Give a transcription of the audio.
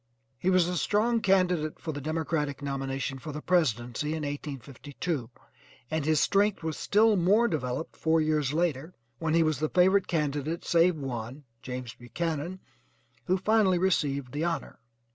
He was a strong candidate for the Democratic nomination for the presidency in 1852, and his strength was still more developed four years later when he was the favorite candidate save one, James Buchanan, who finally received the honor.